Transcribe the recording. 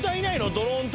ドローン隊。